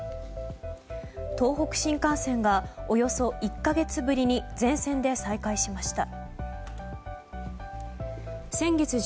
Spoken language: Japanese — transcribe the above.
東北新幹線がおよそ１か月ぶりに全線で再開しました。